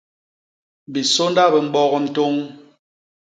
Bisônda bi mbok ntôñ.